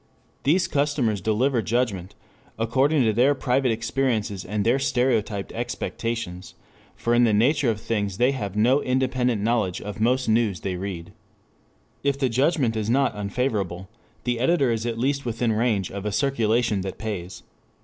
These customers deliver judgment according to their private experiences and their stereotyped expectations, for in the nature of things they have no independent knowledge of most news they read. If the judgment is not unfavorable, the editor is at least within range of a circulation that pays.